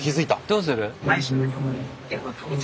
どうする？